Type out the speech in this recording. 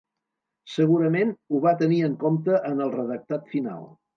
Segurament ho va tenir en compte en el redactat final.